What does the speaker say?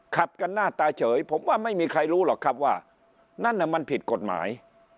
ขับกันหน้าตาเฉยผมว่าไม่มีใครรู้หรอกครับว่านั่นน่ะมันผิดกฎหมาย